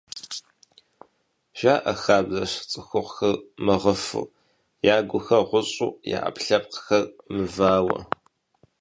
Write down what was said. Жаӏэ хабзэщ цӏыхухъухэр мыгъыфу, ягухэр гъущӏу я ӏэпкълъэпкъхэр мываэу…